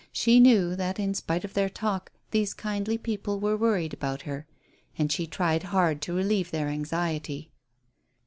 She knew that, in spite of their talk, these kindly people were worried about her, and she tried hard to relieve their anxiety.